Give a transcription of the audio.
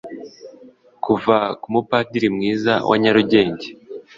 kuva kumupadiri mwiza wa nyarugenge